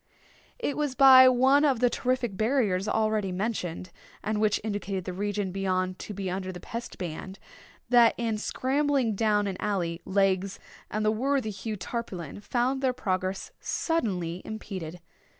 It was by one of the terrific barriers already mentioned, and which indicated the region beyond to be under the Pest ban, that, in scrambling down an alley, Legs and the worthy Hugh Tarpaulin found their progress suddenly impeded.